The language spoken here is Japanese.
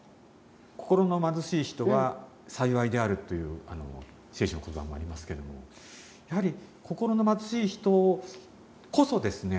「心の貧しい人は幸いである」という「聖書」の言葉もありますけどもやはり心の貧しい人こそですね